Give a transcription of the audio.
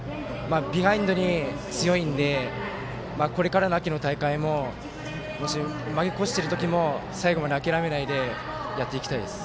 ビハインドに強いのでこれからの秋の大会も負け越しているときも最後まで諦めないでやっていきたいです。